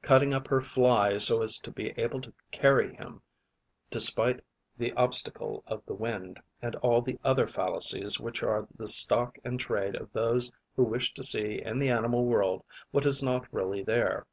cutting up her Fly so as to be able to carry him despite the obstacle of the wind; and all the other fallacies which are the stock in trade of those who wish to see in the animal world what is not really there.